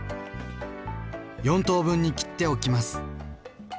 ４等分に切っておきます。